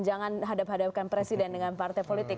jangan berhadapan hadapan presiden dengan partai politik